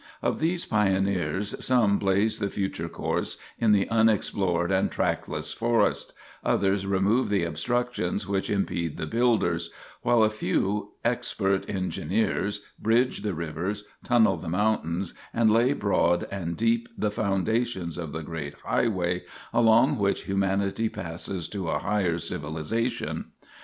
Of these pioneers some blaze the future course in the unexplored and trackless forest; others remove the obstructions which impede the builders; while a few expert engineers bridge the rivers, tunnel the mountains and lay broad and deep the foundations of the great highway along which humanity passes to a higher civilization.